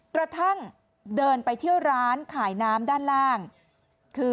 กระทั่งเดินไปเที่ยวร้านขายน้ำด้านล่างคือ